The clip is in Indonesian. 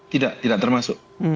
tidak tidak termasuk